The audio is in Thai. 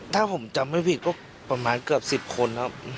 ถ้าผมจำไม่ผิดก็ประมาณเกือบ๑๐คนครับ